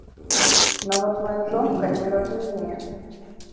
Нават мая жонка не разумее.